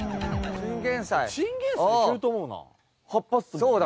チンゲンサイ行けると思うな。